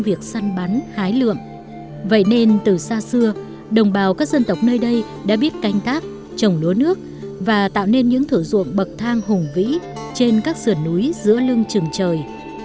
vậy nên từ xa xưa đồng bào các dân tộc nơi đây đã biết canh tác trồng lúa nước và tạo nên những thử dụng bậc thang hùng vĩ trên các sườn núi giữa lưng trường trời